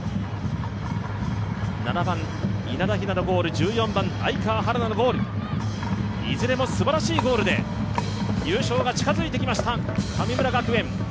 ７番・稲田雛のゴール１４番・愛川陽菜のゴールいずれもすばらしいゴールで優勝が近づいてきました。